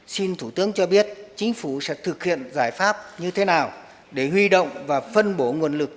xin thủ tướng cho biết chính phủ sẽ thực hiện giải pháp như thế nào để huy động và phân bổ nguồn lực